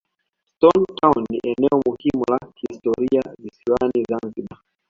stone town ni eneo muhimu la kihistoria visiwani zanzibar